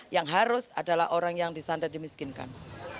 yang harus adalah orang yang disandar dimiskinkan